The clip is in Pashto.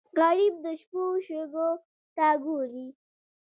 غریب د شپو شګو ته ګوري